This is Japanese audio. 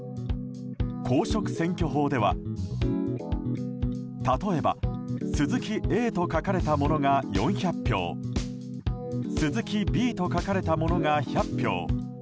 公職選挙法では例えば鈴木Ａと書かれたものが４００票鈴木Ｂと書かれたものが１００票